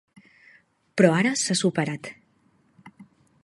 Però ara s'ha superat.